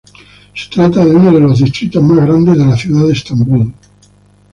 Se trata de uno de los distritos más grandes de la ciudad de Estambul.